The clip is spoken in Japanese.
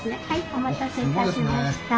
お待たせいたしました。